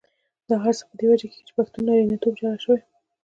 دا هر څه په دې وجه کېږي چې پښتون نارینتوب جلا شوی.